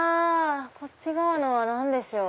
こっち側のは何でしょう？